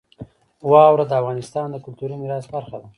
واوره د افغانستان د کلتوري میراث برخه ده.